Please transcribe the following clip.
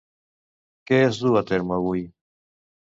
Què es du a terme avui?